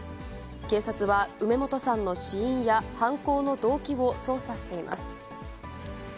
警察は、梅本さんの死因や、犯行の動機を捜査しています。